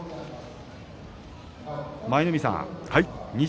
舞の海さん、錦